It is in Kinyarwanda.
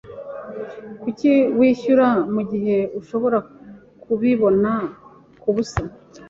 Kuki kwishyura mugihe ushobora kubibona kubusa?